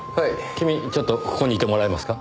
君ちょっとここにいてもらえますか？